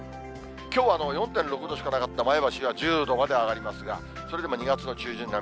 きょう４．６度しかなかった前橋は１０度まで上がりますが、それでも２月の中旬並み。